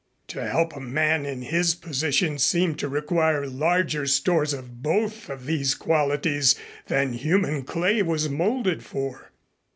To help a man in his position seemed to require larger stores of both of these qualities than human clay was molded for.